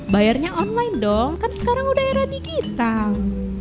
bayarnya online dong kan sekarang udah era digital